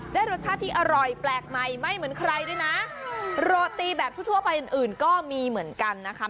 รสชาติที่อร่อยแปลกใหม่ไม่เหมือนใครด้วยนะโรตีแบบทั่วทั่วไปอื่นอื่นก็มีเหมือนกันนะคะ